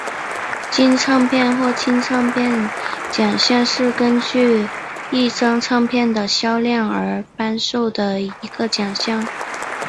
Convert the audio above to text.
金唱片或金唱片奖项是根据一张唱片的销量而颁授的一个奖项。